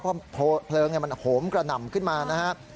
เพราะเพลิงมันโหมกระหน่ำขึ้นมานะครับ